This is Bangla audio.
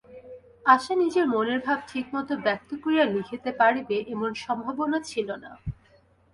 আশা নিজের মনের ভাব ঠিকমতো ব্যক্ত করিয়া লিখিতে পারিবে, এমন সম্ভাবনা ছিল না।